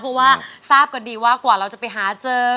เพราะว่าทราบกันดีว่ากว่าเราจะไปหาเจอ